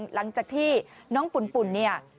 หลังจากที่น้องปุ่นเนี่ย